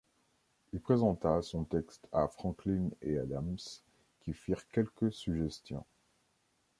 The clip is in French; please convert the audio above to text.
Il présenta son texte à Franklin et Adams, qui firent quelques suggestions.